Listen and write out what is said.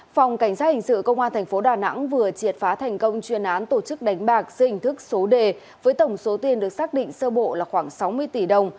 phòng cảnh sát hình sự công an tp đà nẵng vừa triệt phá thành công chuyên án tổ chức đánh bạc dưới hình thức số đề với tổng số tiền được xác định sơ bộ là khoảng sáu mươi tỷ đồng